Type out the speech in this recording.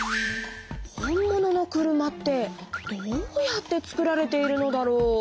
本物の車ってどうやって作られているのだろう？